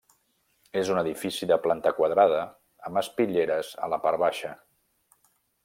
És un edifici de planta quadrada amb espitlleres a la part baixa.